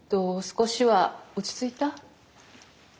少しは落ち着いた？